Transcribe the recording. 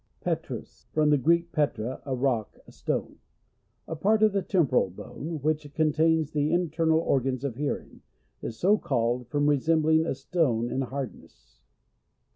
Petrous. — From the Greek, petra, a rock, a stone. A part of the tem poral bone, which contains the in ternal organs of hearing, is so called from resembling a stone in hardness.